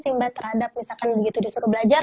simbat terhadap misalkan begitu disuruh belajar